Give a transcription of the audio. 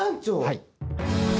はい。